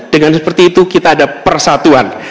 dengan seperti itu kita ada persatuan